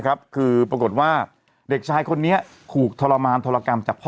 คือปรากฏว่าเด็กชายคนนี้ถูกทรมานทรกรรมจากพ่อ